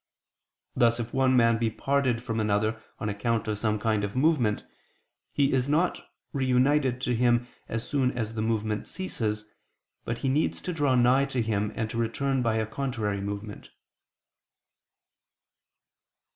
Thus if one man be parted from another on account of some kind of movement, he is not reunited to him as soon as the movement ceases, but he needs to draw nigh to him and to return by a contrary movement.